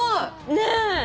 ねえ！